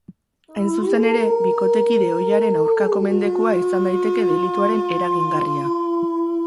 Hain zuzen ere, bikotekide ohiaren aurkako mendekua izan daiteke delituaren eragingarria.